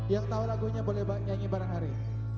yang tahu lagunya boleh nyanyi bareng hari